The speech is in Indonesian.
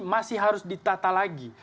masih harus ditata lagi